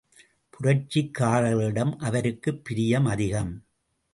புரட்சிக்காரர்களிடம் அவருக்குப் பிரியம் அதிகம்.